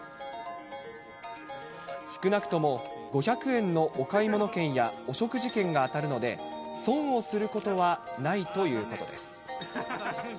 少なくとも５００円のお買い物券やお食事券が当たるので、損をすることはないということです。